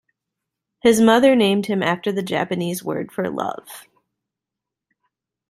His mother named him after the Japanese word for "love".